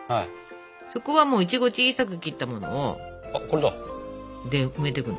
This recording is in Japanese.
そこはもういちご小さく切ったもので埋めてくの。